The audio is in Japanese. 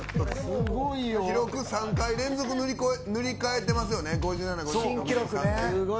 記録３回連続で塗りかえてますよね。